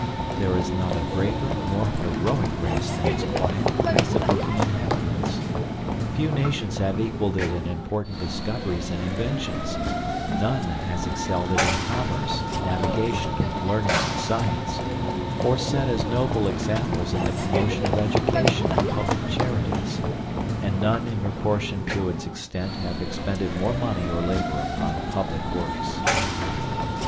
There is not a braver, more heroic race than its quite, passive looking inhabitants. Few nations have equalled it in important discoveries and inventions; none has excelled it in commerce, navigation, learning, and science or set as noble examples in the promotion of education and public charities; and none in proportion to its extent has expended more money or labor upon public works.